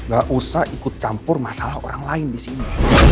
gak usah ikut campur masalah orang lain disini